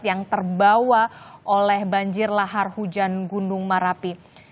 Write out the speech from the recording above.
yang terbawa oleh banjir lahar hujan gunung merapi